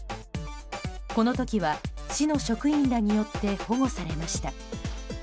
この時は市の職員らによって保護されました。